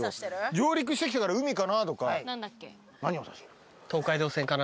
上陸してきたから海かなとか。